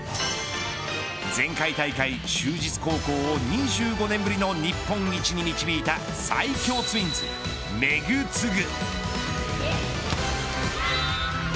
前回大会、就実高校を２５年ぶりの日本一に導いた最強ツインズ、めぐつぐ。